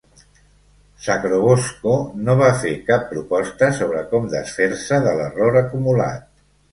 Sacrobosco no va fer cap proposta sobre com desfer-se de l'error acumulat.